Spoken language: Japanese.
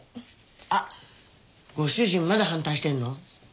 あっご主人まだ反対してるの？